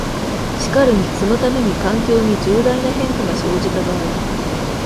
しかるにそのために、環境に重大な変化が生じた場合、